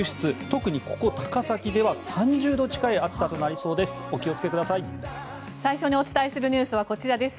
特にここ高崎では３０度近い暑さとなりそうです。